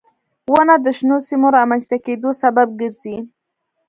• ونه د شنو سیمو رامنځته کېدو سبب ګرځي.